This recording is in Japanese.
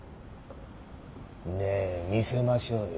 ねぇ見せましょうよ。